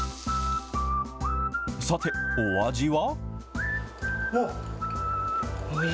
さて、お味は？